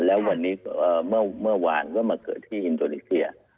แล้ววันนี้เมื่อวานก็มาเกิดที่อินโดนีเซีย